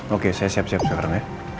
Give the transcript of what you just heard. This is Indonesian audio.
oke saya siap siap sekarang ya